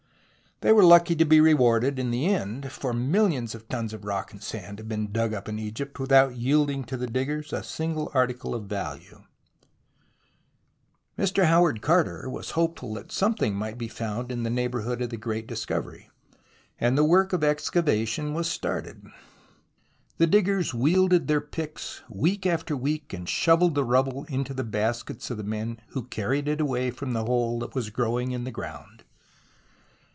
They were lucky to be rewarded in the end, for millions of tons of rock and sand have been dug up in Egypt without yielding to the diggers a single article of value, Mr. Howard Carter was hopeful that something might be found in the neighbourhood of the great discovery, and the work of excavation was started. The diggers wielded their picks week after week and shovelled the rubble into the baskets of the men who carried it away from the hole that was growing in the ground.